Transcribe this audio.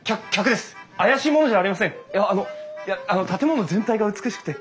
いやあの建物全体が美しくて。